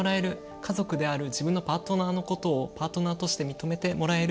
家族である自分のパートナーのことをパートナーとして認めてもらえる。